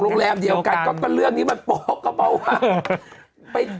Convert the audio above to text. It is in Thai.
ก็เป็นเรื่องนี้มาโป่คกำเอามา